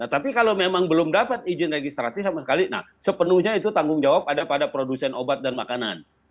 tapi kalau memang belum dapat izin registrasi sama sekali sepenuhnya itu tanggung jawab ada pada produsen obat dan makanan